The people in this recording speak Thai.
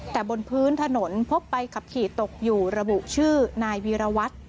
แต่บนพื้นถนนพบใบขับขี่ตกอยู่ระบุชื่อนายวีรวัตร